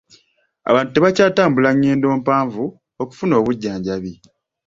Abantu tebakyatambula ngendo mpanvu okufuna obujjanjabi.